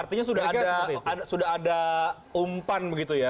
artinya sudah ada umpan begitu ya